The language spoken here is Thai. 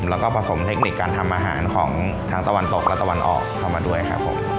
แล้วก็ผสมเทคนิคการทำอาหารของทั้งตะวันตกและตะวันออกเข้ามาด้วยครับผม